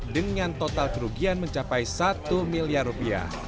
dengan total kerugian mencapai satu miliar rupiah